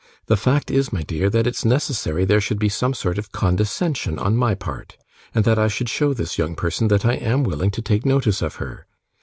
The fact is, my dear, that it's necessary there should be a sort of condescension on my part, and that I should show this young person that I am willing to take notice of her.